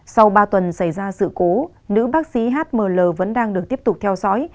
sau ba tuần xảy ra sự cố nữ bác sĩ hml vẫn đang được tiếp tục theo dõi